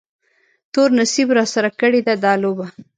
تور نصیب راسره کړې ده دا لوبه